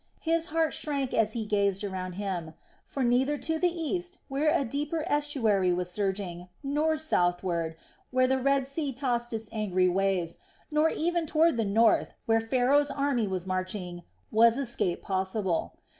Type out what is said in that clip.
His heart shrank as he gazed around him; for neither to the east, where a deeper estuary was surging, nor southward, where the Red Sea tossed its angry waves, nor even toward the north, whence Pharaoh's army was marching, was escape possible.